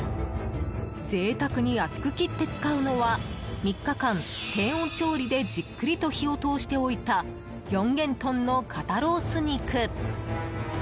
贅沢に厚く切って使うのは３日間、低温調理でじっくりと火を通しておいた四元豚の肩ロース肉。